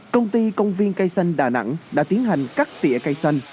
công ty công viên cây xanh đà nẵng đã tiến hành cắt tỉa cây xanh